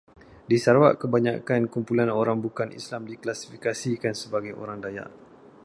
Di Sarawak, kebanyakan kumpulan orang bukan Islam diklasifikasikan sebagai orang Dayak.